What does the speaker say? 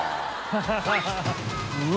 ハハハ